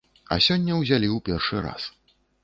А сёння ўзялі ў першы раз.